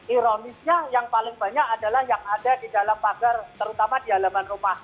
ironisnya yang paling banyak adalah yang ada di dalam pagar terutama di halaman rumah